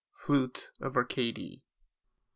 FLUTE OF ARCADY.